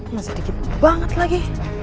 masih dikit banget lagi